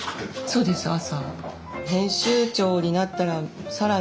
そうです朝。